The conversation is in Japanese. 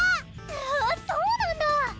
わぁそうなんだ！